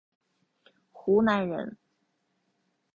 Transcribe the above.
湖南人。